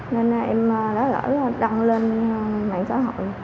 nên em đã đăng lên mạng xã hội